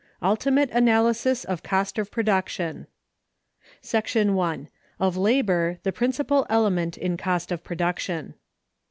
Ultimate Analysis Of Cost Of Production. § 1. Of Labor, the principal Element in Cost of Production.